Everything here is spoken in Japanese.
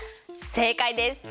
正解です。